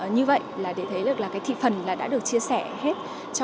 như vậy là để thấy được là cái thị phần là đã được chia sẻ hết